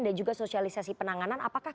dan juga sosialisasi penanganan apakah